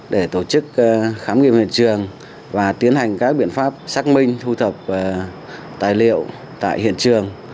để tổ chức khám nghiệm hiện trường và tiến hành các biện pháp xác minh thu thập tài liệu tại hiện trường